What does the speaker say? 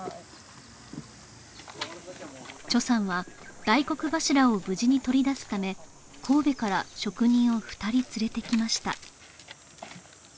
さんは大黒柱を無事に取り出すため神戸から職人を２人連れてきました